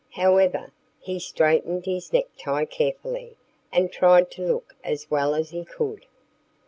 However, he straightened his necktie carefully and tried to look as well as he could.